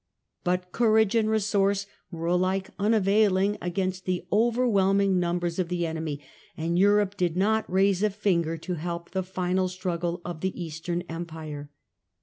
But courage and resource were alike un availing against the overwhelming numbers of the enemy, and Europe did not raise a finger to help the final struggle of the Eastern Empire.